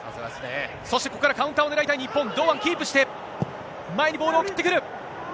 そしてここからカウンターを狙いたい、堂安キープして、前にボールを送ってくる。